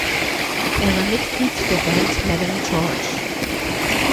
Er war Mitglied der Band "Madame George".